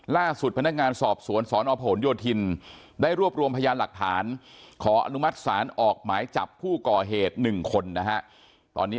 ล่าสุดพนักงานสอบสวนสนผลโยธินได้รวบรวมพยานหลักฐานขออนุมัติศาลออกหมายจับผู้ก่อเหตุ๑คนนะฮะตอนนี้